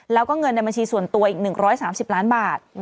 แล้วก็เงินในบัญชีส่วนตัวอีก๑๓๐ล้านบาท